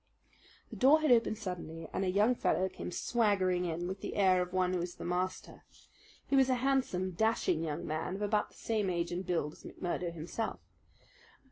The door had opened suddenly, and a young fellow came swaggering in with the air of one who is the master. He was a handsome, dashing young man of about the same age and build as McMurdo himself.